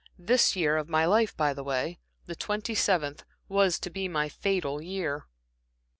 This year of my life, by the way the twenty seventh was to be my fatal year."